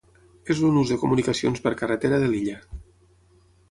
És el nus de comunicacions per carretera de l'illa.